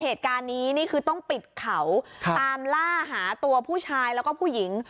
เหตุการณ์นี้นี่คือต้องปิดเขาตามล่าหาตัวผู้ชายแล้วก็ผู้หญิง